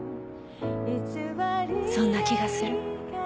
そんな気がする。